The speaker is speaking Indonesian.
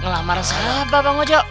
lamaran siapa bang ojo